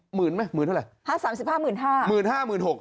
หมื่นไหมหมื่นเท่าไหร่